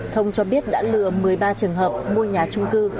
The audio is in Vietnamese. thông cho biết đã lừa một mươi ba trường hợp mua nhà trung cư